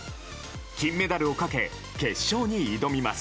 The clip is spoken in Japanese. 金メダルをかけて決勝に挑みます。